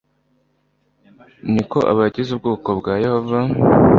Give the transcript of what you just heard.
ni ko abagize ubwoko bwa yehova